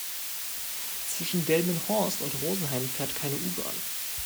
Zwischen Delmenhorst und Rosenheim fährt keine U-Bahn